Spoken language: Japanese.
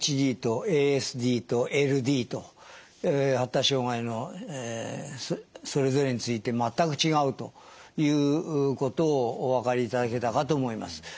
ＡＤＨＤとＡＳＤとＬＤと発達障害のそれぞれについて全く違うということをお分かりいただけたかと思います。